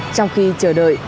trong khi chờ đợi